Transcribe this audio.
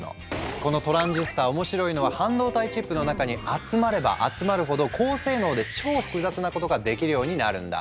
このトランジスタ面白いのは半導体チップの中に集まれば集まるほど高性能で超複雑なことができるようになるんだ。